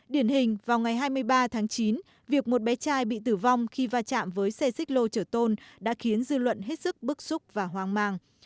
điển hình vào ngày hai mươi ba tháng chín việc một bé trai bị tử vong khi va chạm với xe xích lô chở tôn đã khiến dư luận hết sức bức xúc và hoang mang